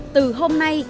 từ hôm nay